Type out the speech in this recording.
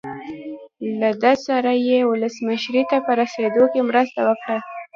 له ده سره یې ولسمشرۍ ته په رسېدو کې مرسته وکړه.